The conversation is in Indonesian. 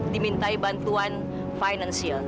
dimintai bantuan finansial